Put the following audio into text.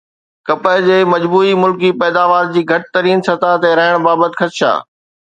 ڪپهه جي مجموعي ملڪي پيداوار جي گهٽ ترين سطح تي رهڻ بابت خدشا